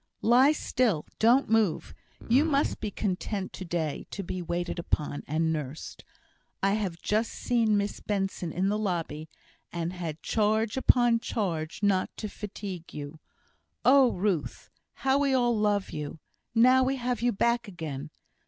"Lie still! Don't move! You must be content to day to be waited upon, and nursed! I have just seen Miss Benson in the lobby, and had charge upon charge not to fatigue you. Oh, Ruth! how we all love you, now we have you back again!